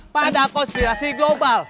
pada konspirasi global